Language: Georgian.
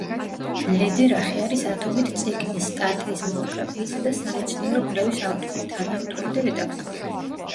ლედერახი არის ათობით წიგნის, სტატიის, მონოგრაფიისა და სამეცნიერო კვლევის ავტორი, თანაავტორი და რედაქტორი.